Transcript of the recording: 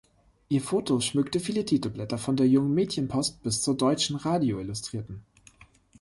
Ihr Foto schmückte viele Titelblätter, von der "Jung-Mädchenpost" bis zur "Deutschen Radio-Illustrierten".